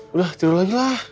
udah tidur lagi lah